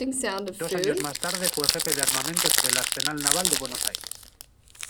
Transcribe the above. Dos años más tarde fue Jefe de Armamentos del Arsenal Naval de Buenos Aires.